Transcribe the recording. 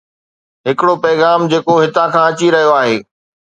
ھڪڙو پيغام جيڪو ھتان کان اچي رھيو آھي.